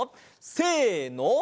せの。